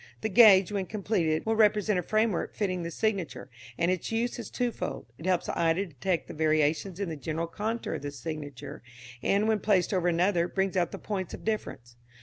The gauge, when completed, will represent a framework fitting the signature, and its use is twofold. It helps the eye to detect the variations in the general contour of the signature, and, when placed over another, brings out the points of difference.